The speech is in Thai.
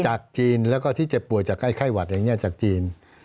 จากจีนแล้วก็ที่เจ็บป่วยจากไข้หวัดอย่างนี้จากจีน